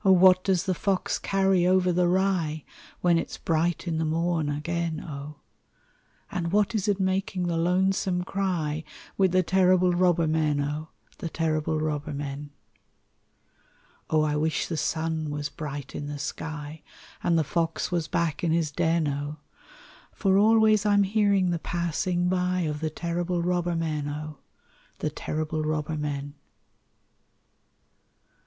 what does the fox carry over the rye When it's bright in the morn again, O! And what is it making the lonesome cry With the terrible robber men, O! The terrible robber men. O! I wish the sun was bright in the sky, And the fox was back in his den, O ! For always I'm hearing the passing by Of the terrible robber men, O ! The terrible robber men.